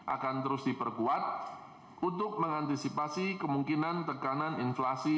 akan terus diperkuat untuk mengantisipasi kemungkinan tekanan inflasi